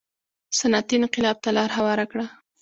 صنعتي انقلاب ته لار هواره کړه.